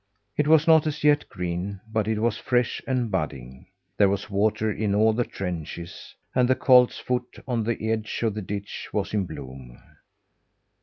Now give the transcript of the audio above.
It was not as yet green, but it was fresh and budding. There was water in all the trenches, and the colt's foot on the edge of the ditch was in bloom.